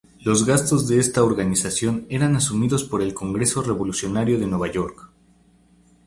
Los gastos de esta organización eran asumidos por el Congreso Revolucionario de Nueva York.